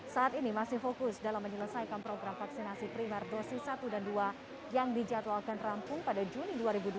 saat ini masih fokus dalam menyelesaikan program vaksinasi primer dosis satu dan dua yang dijadwalkan rampung pada juni dua ribu dua puluh